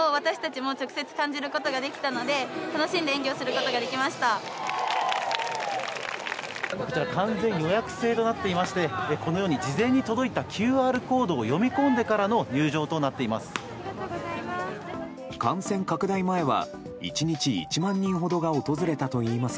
こちら完全予約制となっていまして事前に届いたＱＲコードを読み込んでからの入場となっています。